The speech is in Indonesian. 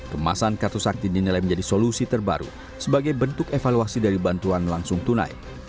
kemasan kartu sakti dinilai menjadi solusi terbaru sebagai bentuk evaluasi dari bantuan langsung tunai